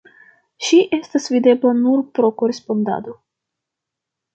Ŝi estas videbla nur pro korespondado.